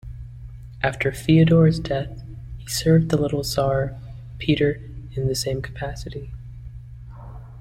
After Feodor's death he served the little "tsar" Peter in the same capacity.